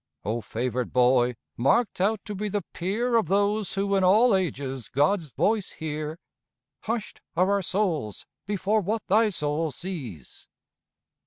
O favored boy, marked out to be the peer Of those who in all ages God's voice hear, Hushed are our souls before what thy soul sees!